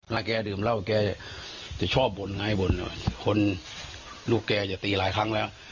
น่าแกดื่มแล้วแกจะชอบบนไงบนคนลูกแกจะตีหลายครั้งแล้ว